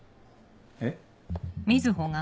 えっ？